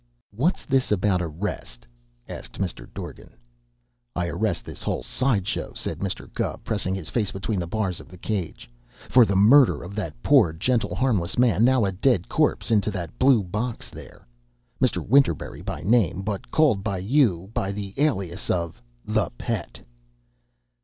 "What's this about arrest?" asked Mr. Dorgan. "I arrest this whole side show," said Mr. Gubb, pressing his face between the bars of the cage, "for the murder of that poor, gentle, harmless man now a dead corpse into that blue box there Mr. Winterberry by name, but called by you by the alias of the 'Pet.'"